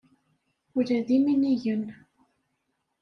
Ula d iminigen.